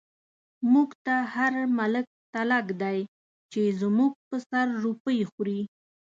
موږ ته هر ملک تلک دی، چی زموږ په سر روپۍ خوری